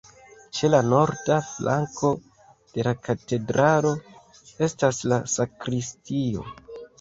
Ĉe la norda flanko de la katedralo estas la sakristio.